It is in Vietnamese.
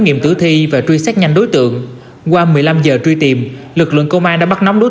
nghiệm tử thi và truy xét nhanh đối tượng qua một mươi năm giờ truy tìm lực lượng công an đã bắt nóng đối